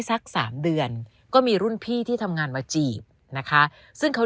สักสามเดือนก็มีรุ่นพี่ที่ทำงานมาจีบนะคะซึ่งเขา